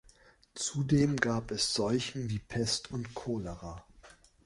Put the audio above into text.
Zudem gab es Seuchen wie Pest und Cholera.